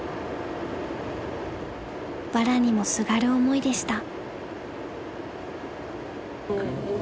［わらにもすがる思いでした］